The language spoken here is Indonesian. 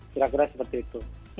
kira kira seperti itu